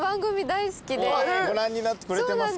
ご覧になってくれてますか？